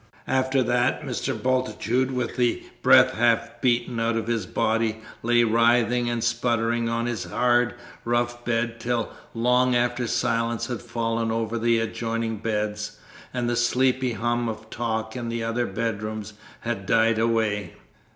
After that, Mr. Bultitude, with the breath half beaten out of his body, lay writhing and spluttering on his hard, rough bed till long after silence had fallen over the adjoining beds, and the sleepy hum of talk in the other bedrooms had died away.